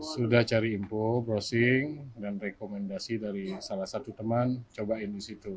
sudah cari info browsing dan rekomendasi dari salah satu teman cobain di situ